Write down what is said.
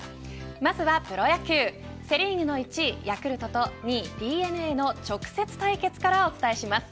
まずはプロ野球セ・リーグの１位ヤクルトと２位ＤｅＮＡの直接対決からお伝えします。